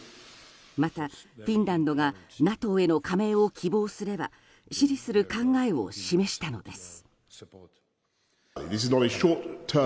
また、フィンランドがＮＡＴＯへの加盟を希望すれば支持する考えを示したのです。